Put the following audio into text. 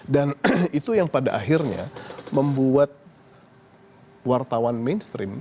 dan itu yang pada akhirnya membuat wartawan mainstream